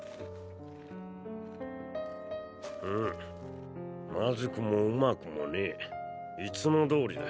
うんまずくもうまくもねぇ。いつもどおりだ。